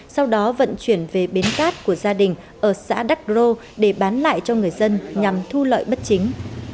sau đó vận chuyển về bến cát của gia đình ở xã đắc rô để bán lại cho người dân nhằm thu lợi bất chính